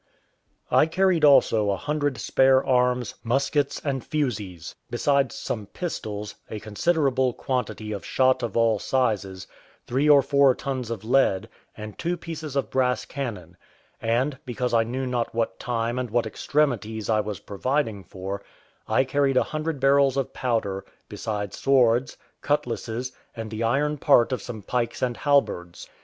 I carried also a hundred spare arms, muskets, and fusees; besides some pistols, a considerable quantity of shot of all sizes, three or four tons of lead, and two pieces of brass cannon; and, because I knew not what time and what extremities I was providing for, I carried a hundred barrels of powder, besides swords, cutlasses, and the iron part of some pikes and halberds.